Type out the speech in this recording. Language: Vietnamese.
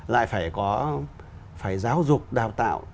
lại phải có phải giáo dục đào tạo